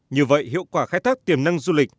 như vậy hiệu quả khai thác tiềm năng du lịch